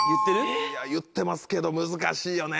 言ってますけど難しいよね。